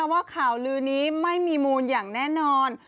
ว่าข่าวลือนี้ไม่มีมูลอย่างแน่นอน